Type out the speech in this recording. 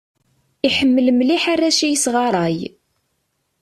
Iḥemmel mliḥ arrac i yesɣaṛay.